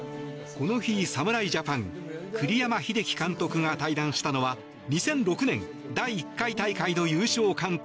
この日、侍ジャパン栗山英樹監督が対談したのは２００６年第１回大会の優勝監督